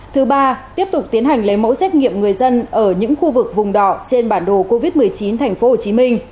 thứ ba tiếp tục tiến hành lấy mẫu xét nghiệm người dân ở những khu vực vùng đỏ trên bản đồ covid một mươi chín tp hcm